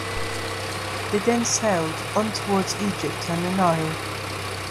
They then sailed on towards Egypt and the Nile.